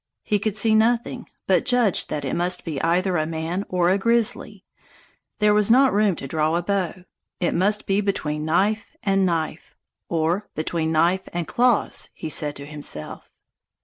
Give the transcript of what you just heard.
He could see nothing, but judged that it must be either a man or a grizzly. There was not room to draw a bow. It must be between knife and knife, or between knife and claws, he said to himself.